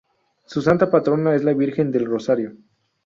Su Santa Patrona es la Virgen del Rosario.